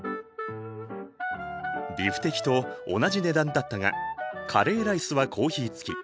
ビフテキと同じ値段だったがカレーライスはコーヒー付き。